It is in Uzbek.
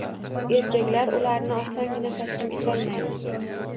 Erkaklar ularni osongina taslim etolmaydi